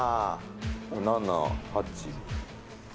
「７８」